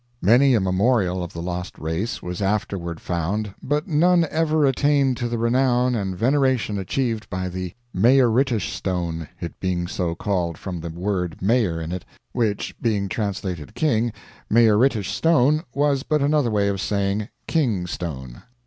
Many a memorial of the lost race was afterward found, but none ever attained to the renown and veneration achieved by the "Mayoritish Stone" it being so called from the word "Mayor" in it, which, being translated "King," "Mayoritish Stone" was but another way of saying "King Stone."